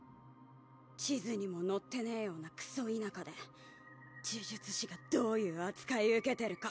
地図にも載ってねぇようなクソ田舎で呪術師がどういう扱い受けてるか。